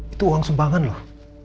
itu uang sumbangan loh